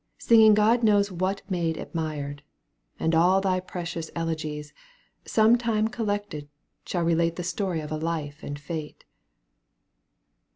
Singing God knows what maid admired, And all thy precious elegies, Sometime collected, shall relate The story of thy life and fate.